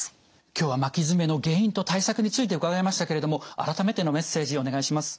今日は巻き爪の原因と対策について伺いましたけれども改めてのメッセージお願いします。